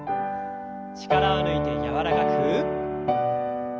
力を抜いて柔らかく。